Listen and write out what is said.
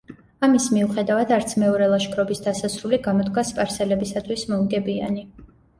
ამის მიუხედავად არც მეორე ლაშქრობის დასასრული გამოდგა სპარსელებისთვის მომგებიანი.